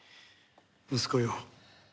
息子よ